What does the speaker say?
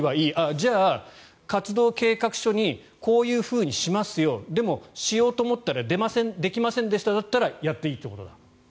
じゃあ、活動計画書にこういうふうにしますよでも、しようと思ったらできませんでしただったらやっていいということだ。